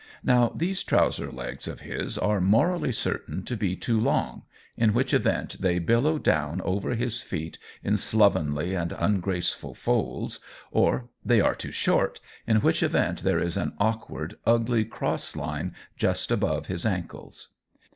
Now these trouser legs of his are morally certain to be too long, in which event they billow down over his feet in slovenly and ungraceful folds, or they are too short, in which event there is an awkward, ugly cross line just above his ankles.